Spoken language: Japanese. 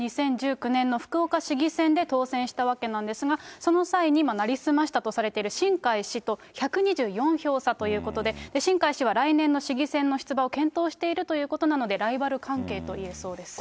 ２０１９年の福岡市議選で当選したわけなんですが、その際に成り済ましたとされている新開氏と１２４票差ということで、新開氏は来年の市議選の出馬を検討しているということなので、ライバル関係といえそうです。